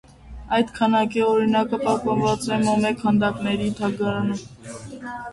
Այդ քանդակի օրինակը պահպանվել է մոմե քանդակների թանգարանում։